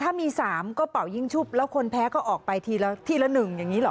ถ้ามี๓ก็เป่ายิ่งชุบแล้วคนแพ้ก็ออกไปทีละทีละ๑อย่างนี้หรอ